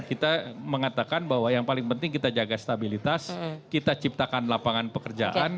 kita mengatakan bahwa yang paling penting kita jaga stabilitas kita ciptakan lapangan pekerjaan